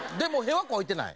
屁はこいてない。